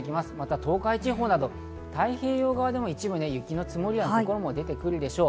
東海地方などでも雪の積もる所が出てくるでしょう。